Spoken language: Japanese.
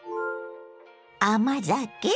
甘酒？